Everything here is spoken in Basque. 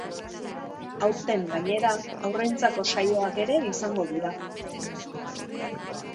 Aurten, gainera, haurrentzako saioak ere izango dira.